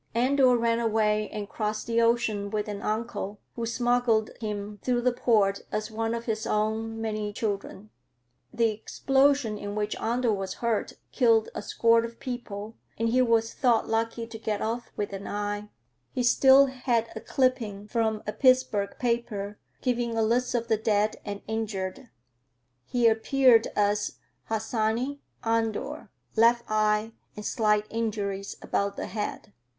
Andor ran away and crossed the ocean with an uncle, who smuggled him through the port as one of his own many children. The explosion in which Andor was hurt killed a score of people, and he was thought lucky to get off with an eye. He still had a clipping from a Pittsburg paper, giving a list of the dead and injured. He appeared as "Harsanyi, Andor, left eye and slight injuries about the head."